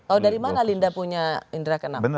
oh dari mana linda punya indra kenam